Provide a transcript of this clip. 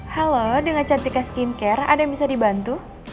halo dengan cantikan skincare ada yang bisa dibantu